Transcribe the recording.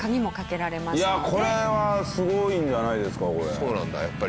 そうなんだやっぱり。